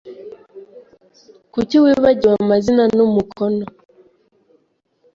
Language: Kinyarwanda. Kuki wibagiwe Amazina n’umukono